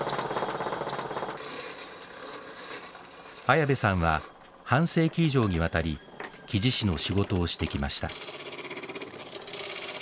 綾部さんは半世紀以上にわたり木地師の仕事をしてきました。